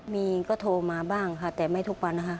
มีก็โทรมาบ้างค่ะแต่ไม่ทุกวันนะคะ